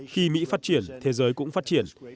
khi mỹ phát triển thế giới cũng phát triển